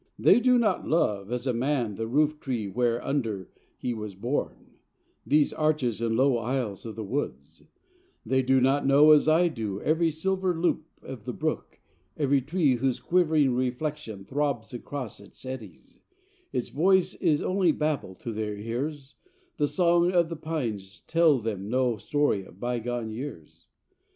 They do not love, as a man the roof tree where under he was born, these arches and low aisles of the woods; they do not know as I do every silver loop of the brook, every tree whose quivering reflection throbs across its eddies; its voice is only babble to their ears, the song of the pines tells them no story of bygone years.